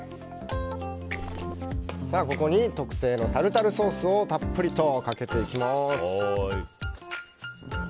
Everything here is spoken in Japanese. ここに特製のタルタルソースをたっぷりとかけていきます。